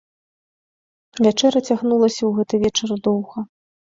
Вячэра цягнулася ў гэты вечар доўга.